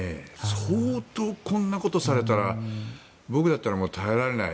相当、こんなことされたら僕だったらもう耐えられない。